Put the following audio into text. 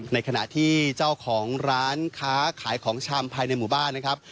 ในขณะที่เจ้าของร้านค้าขายของชำภายในหมู่บ้านนะครับ